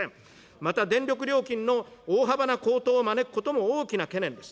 また、電力料金の大幅な高騰を招くことも大きな懸念です。